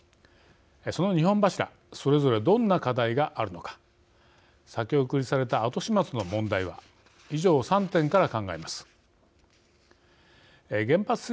その２本柱、それぞれどんな課題があるのか先送りされた後始末の問題は以上３点から考えます。